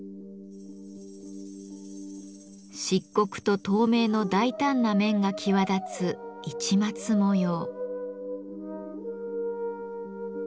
漆黒と透明の大胆な面が際立つ市松模様。